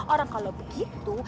orang kalau begitu